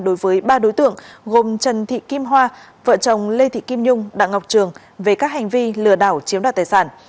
đối với ba đối tượng gồm trần thị kim hoa vợ chồng lê thị kim nhung đặng ngọc trường về các hành vi lừa đảo chiếm đoạt tài sản